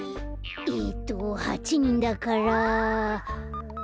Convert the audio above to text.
えっと８にんだから。